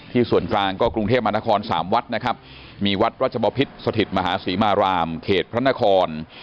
ส่วนกลางก็กรุงเทพมหานคร๓วัดนะครับมีวัดรัชบพิษสถิตมหาศรีมารามเขตพระนคร